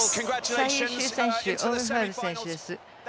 最優秀選手オーウェン・ファレル選手です。